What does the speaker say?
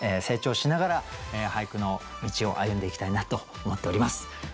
成長しながら俳句の道を歩んでいきたいなと思っております。